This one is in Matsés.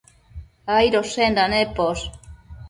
Aidoshenda neposh